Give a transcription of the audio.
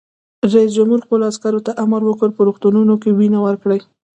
رئیس جمهور خپلو عسکرو ته امر وکړ؛ په روغتونونو کې وینه ورکړئ!